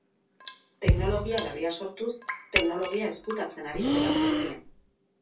Teknologia berria sortuz, teknologia ezkutatzen ari zela zirudien.